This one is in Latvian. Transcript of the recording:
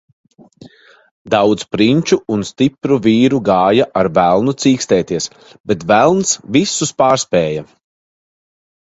Daudz prinču un stipru vīru gāja ar velnu cīkstēties, bet velns visus pārspēja.